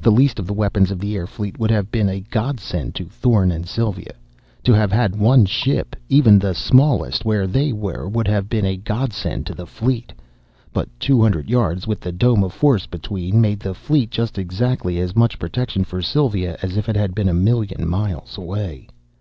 The least of the weapons of the air fleet would have been a godsend to Thorn and Sylva. To have had one ship, even the smallest, where they were would have been a godsend to the fleet. But two hundred yards, with the dome of force between, made the fleet just exactly as much protection for Sylva as if it had been a million miles away.